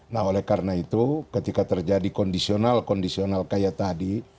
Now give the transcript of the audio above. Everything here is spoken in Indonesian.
nah oleh karena itu ketika terjadi kondisional kondisional kayak tadi